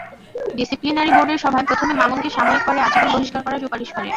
Disciplinary বোর্ডের সভায় প্রথমে মামুনকে সাময়িক পরে আজীবন বহিষ্কার করার সুপারিশ করে।